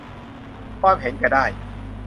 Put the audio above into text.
ความเห็นแก่ได้